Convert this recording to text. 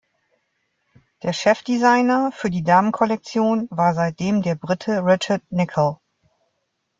Der Chefdesigner für die Damenkollektion war seitdem der Brite Richard Nicoll.